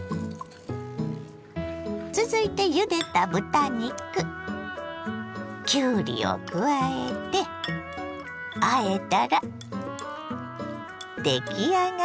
続いてゆでた豚肉きゅうりを加えてあえたら出来上がりです。